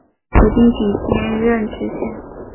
由丁谨接任知县。